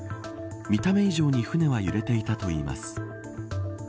見た目以上に船は揺れていたといいます。